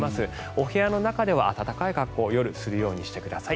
お部屋の中では暖かい格好夜はするようにしてください。